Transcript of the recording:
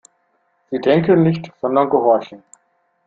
Sie denken nicht, sondern gehorchen.